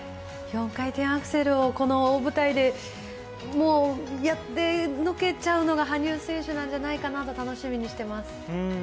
４回転アクセルをこの大舞台で、もうやってのけちゃうのが羽生選手なんじゃないかなと、楽しみにしています。